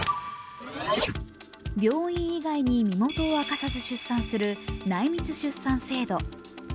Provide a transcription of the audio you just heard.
病院以外に身元を明かさず出産する内密出産制度。